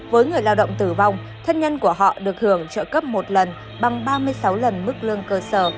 với người lao động tử vong thân nhân của họ được hưởng trợ cấp một lần bằng ba mươi sáu lần mức lương cơ sở